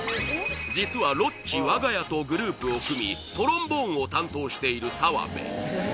実はロッチ我が家とグループを組みトロンボーンを担当している澤部